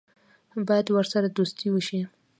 باید ورسره دوستي وشي.